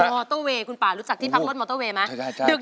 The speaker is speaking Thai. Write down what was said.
มอเตอร์เวย์คุณป่ารู้จักที่พักรถมอเตอร์เวย์ไหม